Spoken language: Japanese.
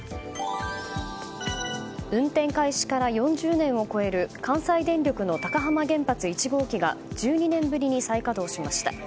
運転開始から４０年を超える関西電力の高浜原発第１号機が１２年ぶりに再稼働しました。